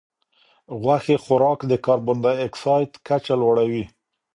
غوښې خوراک د کاربن ډای اکسایډ کچه لوړوي.